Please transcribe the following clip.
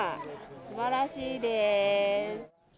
すばらしいです。